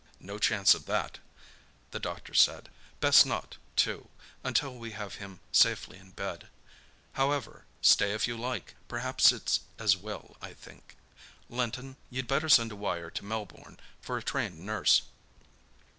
"No chance of that," the doctor said, "best not, too, until we have him safely in bed. However, stay if you like—perhaps it's as well. I think, Linton, you'd better send a wire to Melbourne for a trained nurse."